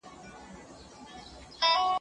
هغه د خپل شعر له لارې د صوفۍ مفاهیم خلکو ته ورسول.